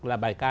là bài ca